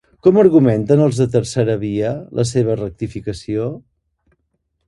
Com argumenten els de Terceravia la seva rectificació?